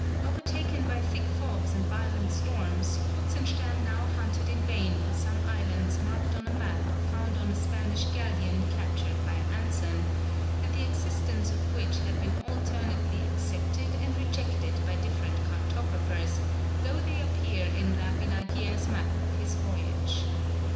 Overtaken by thick fogs and violent storms, Kruzenstern now hunted in vain for some islands marked on a map found on a Spanish gallion captured by Anson, and the existence of which had been alternately accepted and rejected by different cartographers, though they appear in La Billardière's map of his voyage.